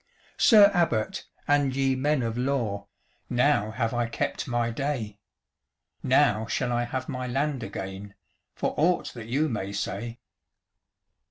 "Sir Abbot, and ye men of law, Now have I kept my day! Now shall I have my land again, For aught that you may say."